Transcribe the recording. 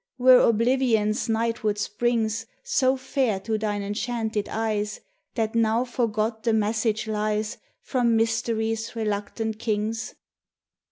were Oblivion's nightward springs So fair to thine enchanted eyes That now forgot the message lies From Mystery's reluctant kings?